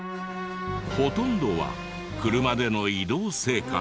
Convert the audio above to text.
ほとんどは車での移動生活。